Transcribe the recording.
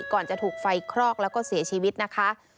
ก่อนจะถูกไฟคลอกแล้วก็เสียชีวิตนะคะ